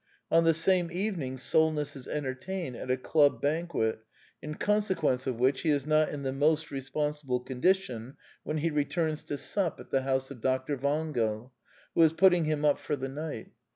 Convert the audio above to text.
On the same evening Solness is entertained at a club banquet, in conse quence of which he is not in the most responsible condition when he returns to sup at the house of Dr. Wangel, who is putting him up for the night.